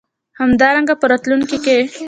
همدارنګه په راتلونکې کې